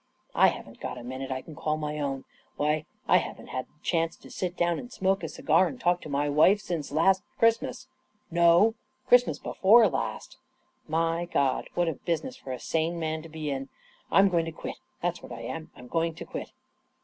" I haven't got a minute I can call my own 1 Why, I haven't had a chance to sit down and smoke a cigar and talk to my wife since last Christmas — no, Christmas before last 1 My God ! what a business for a sane man to be inl I'm go ing to quit! That's what I am! I'm going to quit!"